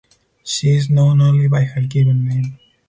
She is known only be her given name.